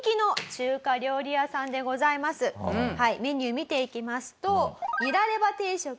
メニュー見ていきますと。